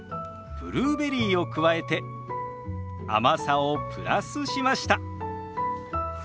ブルーベリーを加えて甘さをプラスしました。